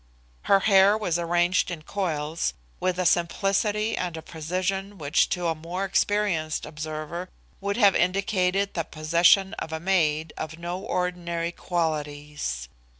Her hair was arranged in coils, with a simplicity and a precision which to a more experienced observer would have indicated the possession of a maid of no ordinary qualities.